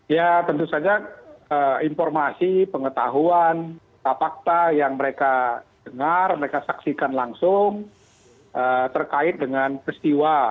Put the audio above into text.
ya tentu saja informasi pengetahuan fakta yang mereka dengar mereka saksikan langsung terkait dengan peristiwa